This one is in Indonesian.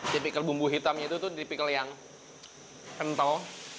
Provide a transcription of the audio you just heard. tipikal bumbu hitamnya itu tuh tipikal yang kental